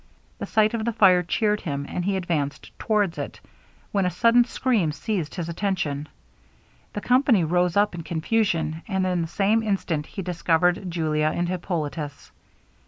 The sight of the fire cheered him, and he advanced towards it, when a sudden scream seized his attention; the company rose up in confusion, and in the same instant he discovered Julia and Hippolitus.